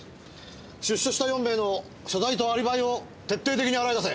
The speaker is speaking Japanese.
出所した４名の所在とアリバイを徹底的に洗い出せ。